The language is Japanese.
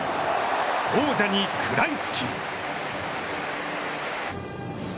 王者に食らいつき。